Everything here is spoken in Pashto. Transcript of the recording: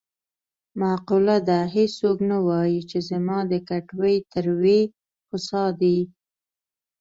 معقوله ده: هېڅوک نه وايي چې زما د کټوې تروې خسا دي.